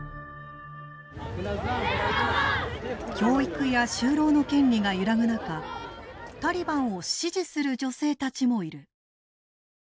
教育や就労の権利が揺らぐ中タリバンを支持する女性たちもいる。